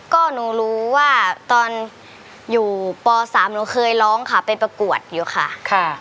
ก็หนูรู้ว่าตอนอยู่ป๓หนูเคยร้องค่ะไปประกวดอยู่ค่ะ